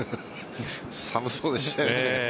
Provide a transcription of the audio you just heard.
寒そうでしたね。